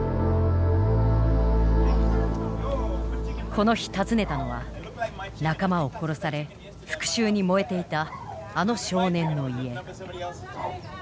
この日訪ねたのは仲間を殺され復讐に燃えていたあの少年の家。